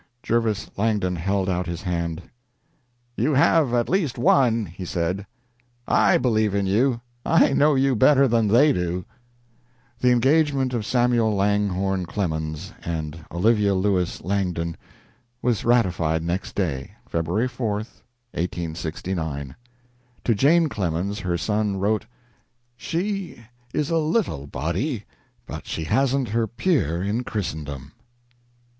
Jervis Langdon held out his hand. "You have at least one," he said. "I believe in you. I know you better then they do." The engagement of Samuel Langhorne Clemens and Olivia Lewis Langdon was ratified next day, February 4, 1869. To Jane Clemens her son wrote: "She is a little body, but she hasn't her peer in Christendom."